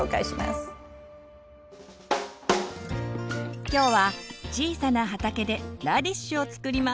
今日は小さな畑でラディッシュをつくります！